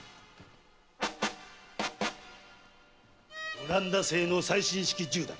オランダ製の最新式銃だ。